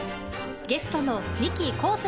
ゲストのミキ昴